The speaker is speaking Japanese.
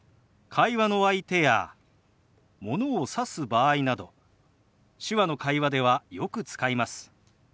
会話の相手やものをさす場合など手話の会話ではよく使います。